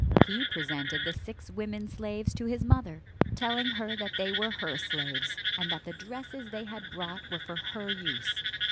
He presented the six women slaves to his mother, telling her they were her slaves, and that the dresses they had brought were for her use.